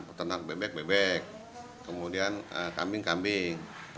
peternak bebek bebek kemudian kambing kambing